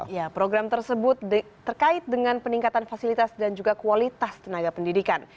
ya program tersebut terkait dengan peningkatan fasilitas dan juga kualitas tenaga pendidikan